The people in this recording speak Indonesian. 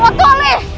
apa kalian semua toleh